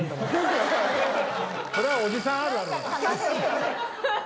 それはおじさんあるある。